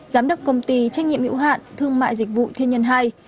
giám đốc công ty trách nhiệm hữu hạn thương mại dịch vụ thiên nhân hai